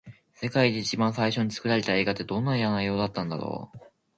世界で一番最初に作られた映画って、どんな内容だったんだろう。